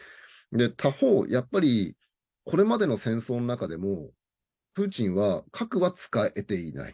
他方、これまでの戦争の中でもプーチンは核は使えていない。